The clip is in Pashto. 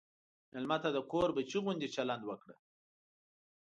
مېلمه ته د کور بچی غوندې چلند وکړه.